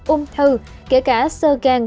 ung thư kể cả sơ gan